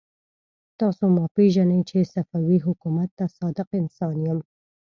تاسو ما پېژنئ چې صفوي حکومت ته صادق انسان يم.